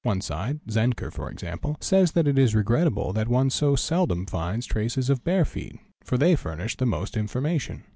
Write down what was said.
One side, Zenker for example, says that it is regrettable that one so seldom finds traces of bare feet, for they furnish the most information.